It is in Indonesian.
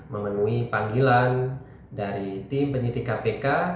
memenuhi panggilan dari tim penyidik kpk